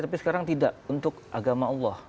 tapi sekarang tidak untuk agama allah